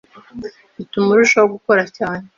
bituma urushaho gukora cyane